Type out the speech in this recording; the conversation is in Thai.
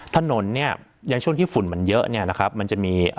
ถนนเนี่ยอย่างช่วงที่ฝุ่นมันเยอะเนี่ยนะครับมันจะมี